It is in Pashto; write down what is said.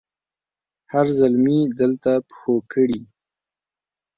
هر زلمي دلته پښو کړي